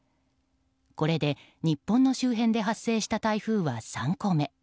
これで、日本の周辺で発生した台風は３個目。